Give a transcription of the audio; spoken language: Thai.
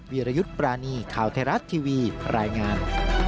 วิรยุทธ์ปรานีข่าวไทยรัฐทีวีรายงาน